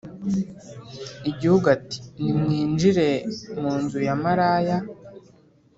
igihugu ati Nimwinjire mu nzu ya maraya